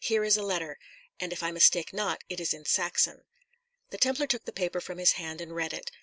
"Here is a letter, and if I mistake not, it is in Saxon." The Templar took the paper from his hand and read it.